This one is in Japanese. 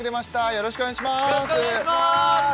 よろしくお願いします！